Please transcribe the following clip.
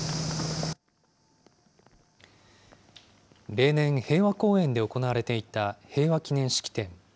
例年、平和公園で行われていた平和祈念式典。